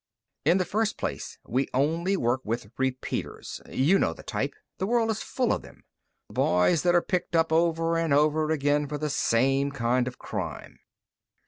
"In the first place, we only work with repeaters. You know the type. The world is full of them. The boys that are picked up over and over again for the same kind of crime."